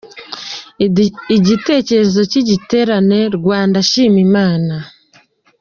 Igitekerezo cy’igiterane Rwanda, Shima Imana !